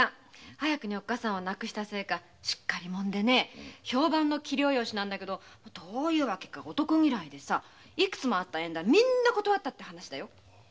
早くにおっかさんを亡くしたせいかしっかり者で評判の器量よしなんだけど男嫌いでさ幾つもあった縁談みんな断ったって話だよ。